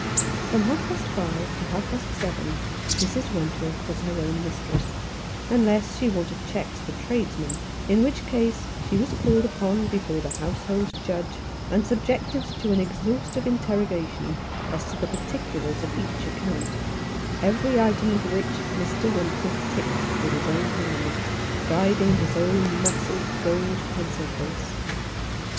From half past five to half past seven Mrs. Wentworth was her own mistress, unless she wanted cheques for tradesmen ; in which case she was called up before the household judge, and subjected to an exhaustive interrogation as to the particulars of each account, every item of which Mr. Wentworth ticked with his own hand, guiding his own massive gold pencil case.